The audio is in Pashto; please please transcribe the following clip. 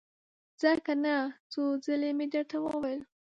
ځه کنه! څو ځلې مې درته وويل!